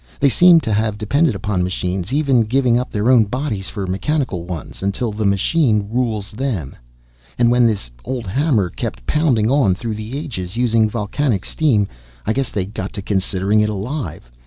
They seem to have depended upon machines, even giving up their own bodies for mechanical ones, until the machine rules them. "And when this old hammer kept pounding on through the ages, using volcanic steam, I guess they got to considering it alive.